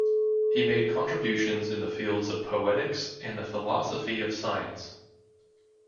He made contributions in the fields of poetics and the philosophy of science.